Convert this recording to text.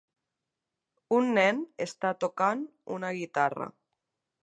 Un nen està tocant una guitarra